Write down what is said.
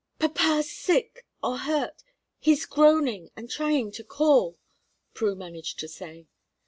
"Papa's sick or hurt; he's groaning and trying to call," Prue managed to say.